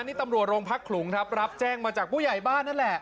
นี่ตำรวจโรงพักขลุงครับรับแจ้งมาจากผู้ใหญ่บ้านนั่นแหละ